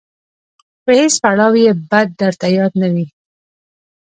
په هیڅ پړاو یې بد درته یاد نه وي.